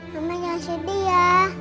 mama jangan sedih ya